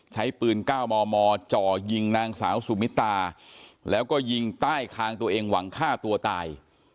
ใช้ปืน๙มมจ่อยิงนางสาวสุมิตาแล้วก็ยิงใต้คางตัวเองหวังฆ่าตัวตาย